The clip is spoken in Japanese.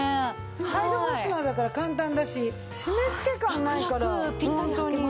サイドファスナーだから簡単だし締めつけ感ないからホントにラクですよね。